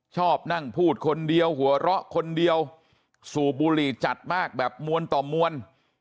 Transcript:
ชอบนั่งพูดคนเดียวหัวเราะคนเดียวสูบบุหรี่จัดมากแบบมวลต่อมวล